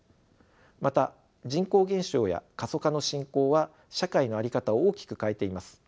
また人口減少や過疎化の進行は社会の在り方を大きく変えています。